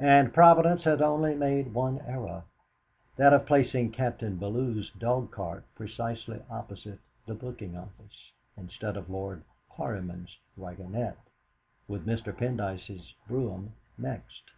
And Providence had only made one error that of placing Captain Bellew's dogcart precisely opposite the booking office, instead of Lord Quarryman's wagonette, with Mr. Pendyce's brougham next.